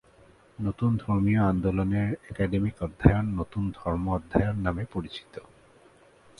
নতুন ধর্মীয় আন্দোলনের একাডেমিক অধ্যয়ন 'নতুন ধর্ম অধ্যয়ন' নামে পরিচিত।